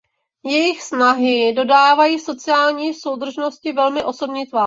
Jejich snahy dodávají sociální soudržnosti velmi osobní tvář.